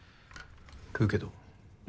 食うけど。